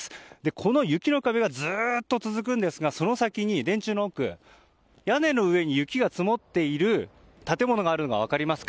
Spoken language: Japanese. この雪の壁、ずっと続くんですがその先に電柱の奥屋根の上に雪が積もっている建物があるのが分かりますか？